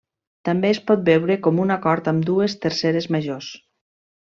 També es pot veure com un acord amb dues terceres majors.